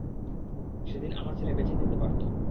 সেদিন আমার ছেলে বেঁচে যেতে পারত।